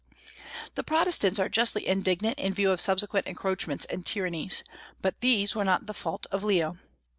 The Protestants are justly indignant in view of subsequent encroachments and tyrannies. But these were not the fault of Leo.